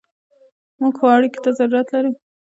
موږ ښو اړیکو ته ضرورت لرو.